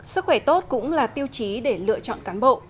sức khỏe tốt cũng là tiêu chí để lựa chọn cán bộ